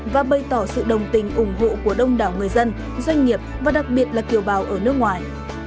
và bày tỏ sự đồng tình ủng hộ của đông đảo người dân doanh nghiệp và đặc biệt là kiều bào ở nước ngoài